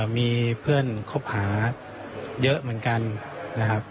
มีเพื่อนคบหาเยอะเหมือนกันนะครับ